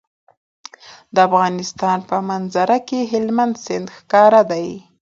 د افغانستان په منظره کې هلمند سیند ښکاره ده.